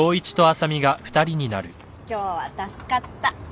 今日は助かった。